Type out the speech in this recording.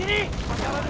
dari dari saya sebenarnya